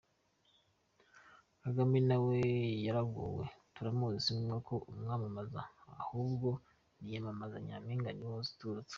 Kagame nawe yaragowe turamuzi singombwa ko amwamamaza ahubwo niyamamaze Mpayimana niwe utazwi.